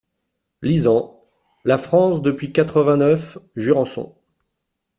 Lisant. "La France depuis quatre-vingt-neuf…" Jurançon.